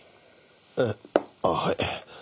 えっああはい。